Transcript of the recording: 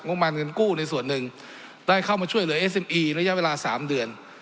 ประมาณเงินกู้ในส่วนหนึ่งได้เข้ามาช่วยเหลือเอสเอ็มอีระยะเวลา๓เดือน